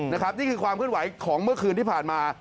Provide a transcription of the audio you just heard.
นี่คือความเคลื่อนไหวของเมื่อคืนที่ผ่านมา